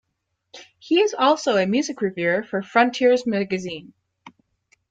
He is also a music reviewer for "Frontiers" magazine.